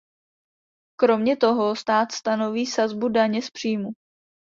Kromě toho stát stanoví sazbu daně z příjmu.